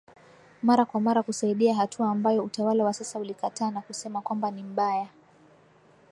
mara kwa mara kusaidia hatua ambayo utawala wa sasa ulikataa na kusema kwamba ni mbaya